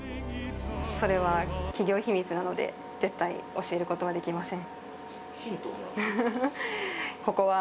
それは企業秘密なので絶対教えることはできません